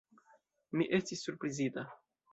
Mi estis surprizita.